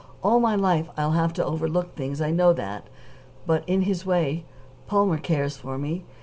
All my life I'll have to overlook things; I know that. But, in his way, Palmer cares for me.